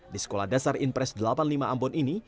di sekolah dasar impres delapan puluh lima ambon ini